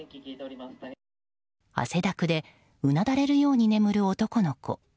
汗だくでうなだれるように眠る男の子。